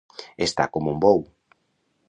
Estar com un bou.